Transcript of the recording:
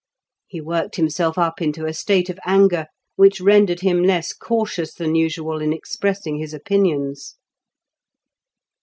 He worked himself up into a state of anger which rendered him less cautious than usual in expressing his opinions.